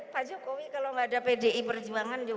pak jokowi kalau nggak ada pdi perjuangan